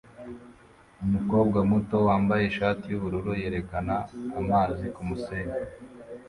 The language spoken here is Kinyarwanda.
Umukobwa muto wambaye ishati yubururu yerekana amazi kumusenyi